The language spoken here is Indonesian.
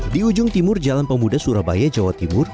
di ujung timur jalan pemuda surabaya jawa timur